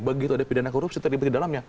begitu ada pidana korupsi terlibat di dalamnya